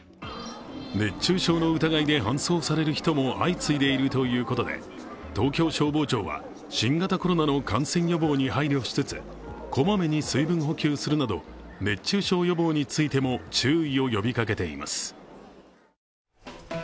熱中症の疑いで搬送される人も相次いでいるということで、東京消防庁は、新型コロナの感染予防に配慮しつつこまめに水分補給するなど熱中症予防についても注意を呼びかけています。